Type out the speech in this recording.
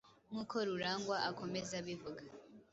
Nk’uko Rurangwa akomeza abivuga